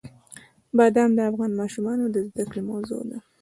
بادام د افغان ماشومانو د زده کړې موضوع ده.